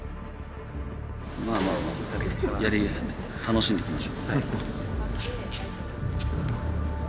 まあまあまあ楽しんでいきましょう。